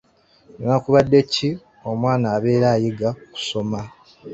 Newankubadde kiki, omwana abeera ayiga kusoma.